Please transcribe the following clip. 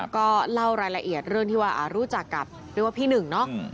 ก็เล่ารายละเอียดเรื่องที่ว่ารู้จักกับเรียกว่าพี่หนึ่งเนาะ